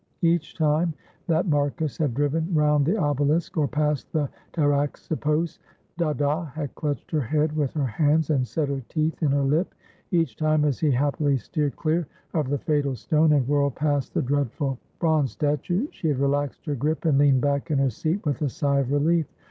Each time that Marcus had driven round the obelisk or past the Tarax ippos, Dada had clutched her head with her hands and set her teeth in her lip ; each time, as he happily steered clear of the fatal stone and whirled past the dreadful bronze statue, she had relaxed her grip and leaned back in her seat with a sigh of relief.